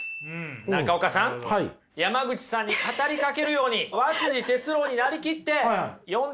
中岡さん山口さんに語りかけるように和哲郎になりきって読んでいただけますか。